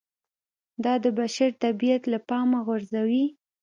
دا د بشر طبیعت له پامه غورځوي